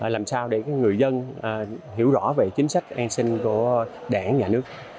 làm sao để người dân hiểu rõ về chính sách an sinh của đảng nhà nước